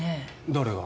誰が？